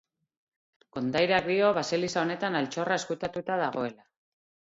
Kondairak dio baseliza honetan altxorra ezkutatuta dagoela.